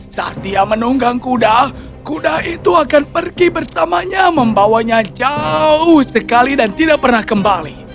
saat dia menunggang kuda kuda itu akan pergi bersamanya membawanya jauh sekali dan tidak pernah kembali